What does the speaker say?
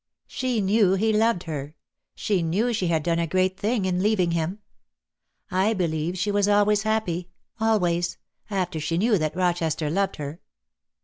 She knew he loved her. She knew she had done a great thing in leaving him. I believe she was always happy — always — after she knew that Rochester loved her."